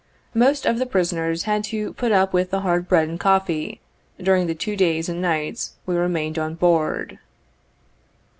Most of the prisoners had to put up with the hard bread and coffee, during the two days and nights we remained on board.